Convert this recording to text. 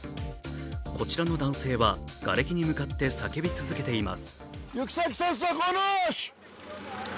こちらの男性はがれきに向かって叫び続けています。